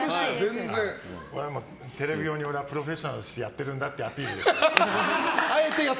テレビ用に俺はプロフェッショナルとしてやってるんだっていうアピールですよ。